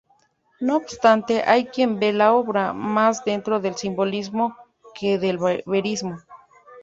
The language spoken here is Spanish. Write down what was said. No obstante, hay quien ve la obra más dentro del simbolismo que del verismo.